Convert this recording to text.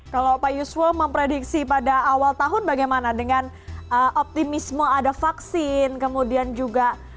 kalau pak yuswo memprediksi pada awal tahun bagaimana dengan optimisme ada vaksin kemudian juga